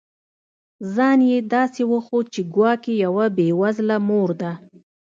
ځان یې داسي وښود چي ګواکي یوه بې وزله مور ده